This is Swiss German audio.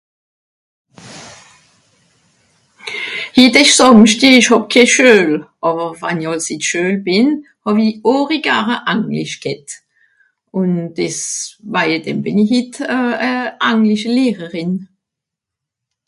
hit ìsch Sàmschti ìch hàb ke Schuel àwer wann'i àls ì d'Schuel bin hàwi òri gare Anglisch g'hett un des waije dem bìn'i hit euh euh Anglischlehrerin